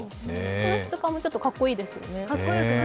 この質感もちょっとかっこいいですよね。